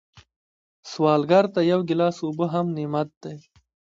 سوالګر ته یو ګیلاس اوبه هم نعمت دی